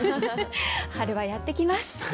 春はやって来ます。